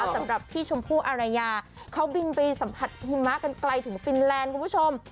สำหรับพี่ชมพู่อารยาเขาบินไปสัมผัสหิมะกันไกลถึงฟินแลนด์คุณผู้ชม